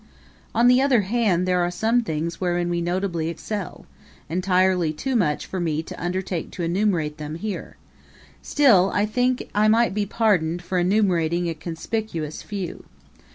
On the other hand there are some things wherein we notably excel entirely too many for me to undertake to enumerate them here; still, I think I might be pardoned for enumerating a conspicuous few.